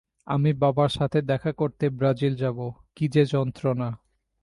আমি বাবার সাথে দেখা করতে ব্রাজিল যাবো, কী যে যন্ত্রণা!